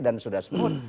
dan sudah smooth